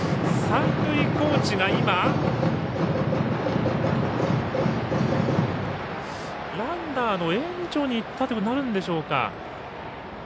三塁コーチがランナーの援助に行ったとなるんでしょうか。